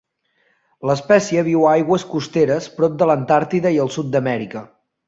L"espècia viu a aigües costeres prop de l"Antàrtida i el Sud d"Amèrica.